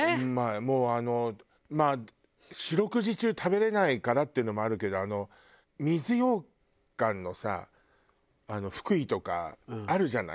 もうあのまあ四六時中食べられないからっていうのもあるけど水羊羹のさ福井とかあるじゃない？